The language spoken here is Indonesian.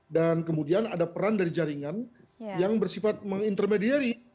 dan kemudian ada peran dari jaringan yang bersifat mengintermediari